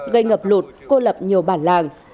gây ngập lụt cô lập nhiều bản làng